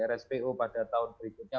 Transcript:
rspo pada tahun berikutnya